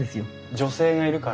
女性がいるから？